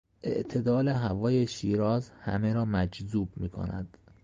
اعتدال هوای شیراز همه را مجذوب میکند.